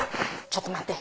ちょっと待って。